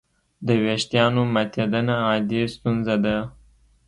د وېښتیانو ماتېدنه عادي ستونزه ده.